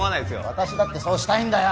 私だってそうしたいんだよ